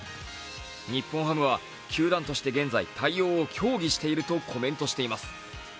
日本ハムは、球団として現在、対応を協議しているとコメントしています。